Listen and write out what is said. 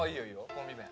コンビ名。